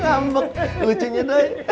ngambek lucunya doi